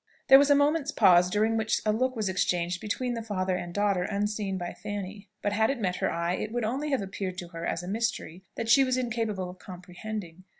There was a moment's pause, during which a look was exchanged between the father and daughter unseen by Fanny; but had it met her eye, it would only have appeared to her as a mystery that she was incapable of comprehending.